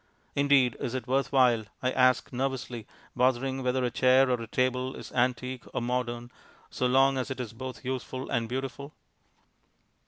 Indeed, is it worth while (I ask nervously) bothering whether a chair or a table is antique or modern so long as it is both useful and beautiful?